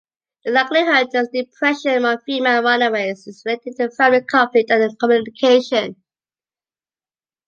The likelihood of depression among female runaways is related to family conflict and communication.